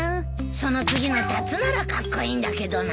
その次のタツならカッコイイんだけどな。